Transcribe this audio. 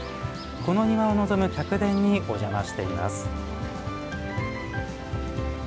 この庭を望む客殿にお邪魔しています。